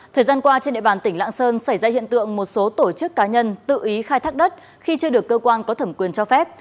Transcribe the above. thời gian qua trên địa bàn tỉnh lạng sơn xảy ra hiện tượng một số tổ chức cá nhân tự ý khai thác đất khi chưa được cơ quan có thẩm quyền cho phép